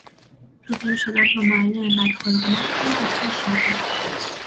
رو به رو شدن با معلم بدخلق من کار بسیار شاقی بود.